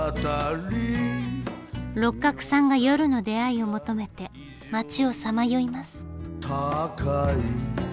六角さんが夜の出会いを求めて町をさまよいます。